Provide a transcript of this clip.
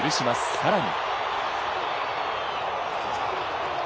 さらに。